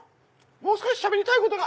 もう少ししゃべりたいことが」。